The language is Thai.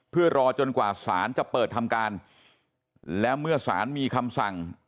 เพื่อรอจนกว่าสารจะเปิดทำการและเมื่อสารมีคำสั่ง